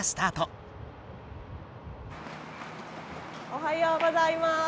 おはようございます。